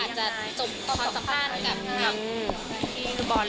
อาจจะจบตอนสัมภาษณ์กับที่ฟุตุบอล